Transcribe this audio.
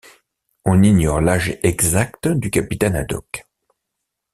On ignore l'âge exact du capitaine Haddock.